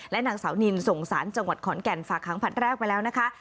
นางสาวนินส่งสารจังหวัดขอนแก่นฝากหางผัดแรกไปแล้วนะคะ